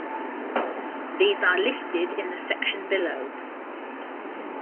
These are listed in the section below.